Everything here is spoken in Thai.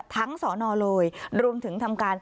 ทั้งสอนอโลยรวมถึงทำการ